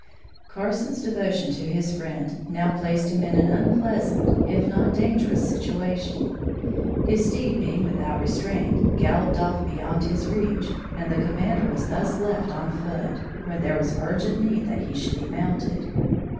Carson's devotion to his friend now placed him in an unpleasant if not dangerous situation. His steed being without restraint, galloped off beyond his reach, and the commander was thus left on foot, when there was urgent need that he should be mounted.